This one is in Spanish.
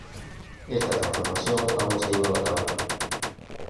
Esta transformación aún no se ha llevado a cabo.